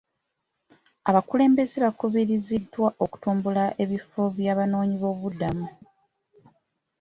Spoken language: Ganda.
Abakulembeze baakubiriziddwa okutumbula ebifo by'abanoonyi boobubudamu.